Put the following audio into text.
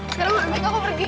sekarang aku pergi